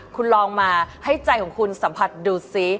คุณลองมาให้ใจของคุณสัมผัสดูซิ